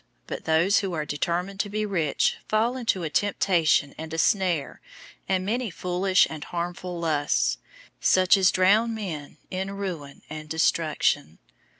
006:009 But those who are determined to be rich fall into a temptation and a snare and many foolish and harmful lusts, such as drown men in ruin and destruction.